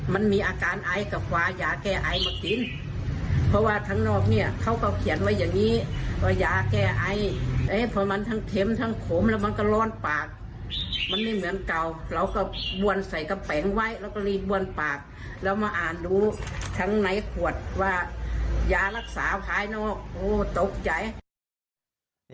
ทั้งในขวดว่ายารักษาภายนอกโหตกใจ